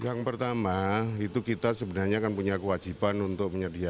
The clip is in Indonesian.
yang pertama itu kita sebenarnya kan punya kewajiban untuk menyediakan